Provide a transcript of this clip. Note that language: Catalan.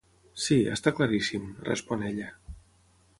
Sí, està claríssim —respon ella.